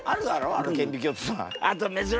あの顕微鏡ってさ。